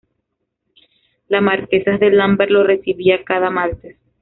La marquesa de Lambert los recibía cada martes.